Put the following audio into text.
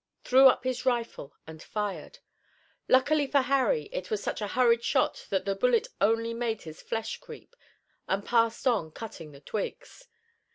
threw up his rifle and fired. Luckily for Harry it was such a hurried shot that the bullet only made his flesh creep, and passed on, cutting the twigs.